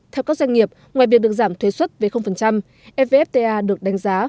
theo các doanh nghiệp ngoài việc được giảm thuế xuất về evfta được đánh giá